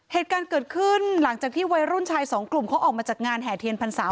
เหตุการณ์เกิดขึ้นหลังจากที่วัยรุ่นชายสองกลุ่มเขาออกมาจากงานแห่เทียนพรรษา